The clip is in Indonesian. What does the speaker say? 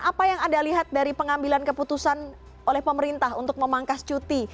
apa yang anda lihat dari pengambilan keputusan oleh pemerintah untuk memangkas cuti